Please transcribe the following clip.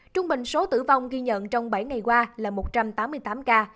trung bình số tử vong ghi nhận trong bảy ngày qua là một trăm tám mươi tám ca